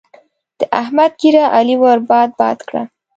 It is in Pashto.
د احمد ږيره؛ علي ور باد باد کړه.